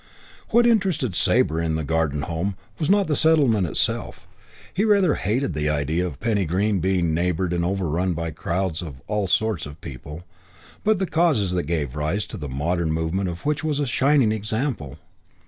II What interested Sabre in the Garden Home was not the settlement itself he rather hated the idea of Penny Green being neighboured and overrun by crowds of all sorts of people but the causes that gave rise to the modern movement of which it was a shining example.